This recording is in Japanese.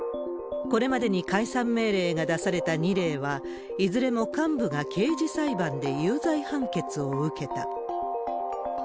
これまでに解散命令が出された２例は、いずれも幹部が刑事裁判で有罪判決を受けた。